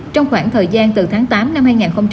trong khoảng thời gian từ tháng tám năm hai nghìn hai mươi